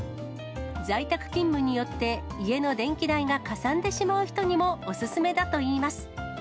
在宅勤務によって家の電気代がかさんでしまう人にも、お勧めだといいます。